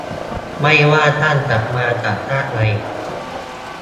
ไม่ว่าท่านจะมาจากชาติใด